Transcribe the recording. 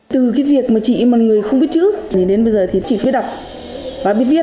từ cái việc mà chị mà người không biết chữ thì đến bây giờ thì chị phải đọc và biết viết